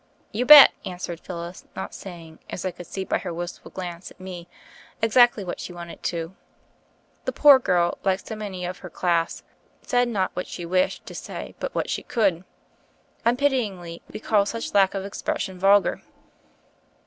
*' "You bet," answered Phyllis, not saying, as I could see by her wistful glance at me, exactly what she wanted to. The poor girl, like so many of her class, said not what she wished to say, but what she could. Unpityingly, we call such lack of expression vulgar.